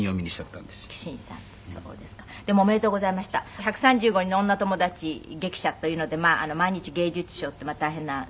「『１３５人の女ともだち激写』というので毎日芸術賞っていう大変な」